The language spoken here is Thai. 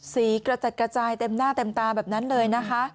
กระจัดกระจายเต็มหน้าเต็มตาแบบนั้นเลยนะคะ